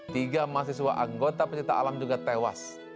tiga mahasiswa anggota pencipta alam juga tewas